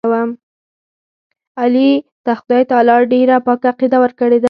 علي ته خدای تعالی ډېره پاکه عقیده ورکړې ده.